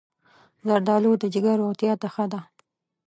زردالو د جگر روغتیا ته ښه ده.